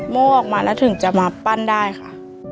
โม่ออกมาแล้วถึงจะมาปั้นได้ค่ะ